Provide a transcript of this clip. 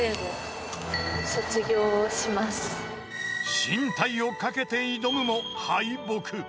［進退をかけて挑むも敗北］